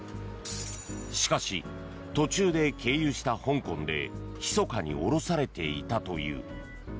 しかし、途中で経由した香港でひそかに下ろされていたという。